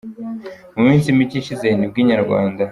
Mu minsi micye ishize, nibwo Inyarwanda.